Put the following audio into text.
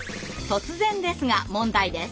突然ですが問題です。